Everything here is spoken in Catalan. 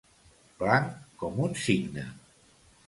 Blanc com un cigne.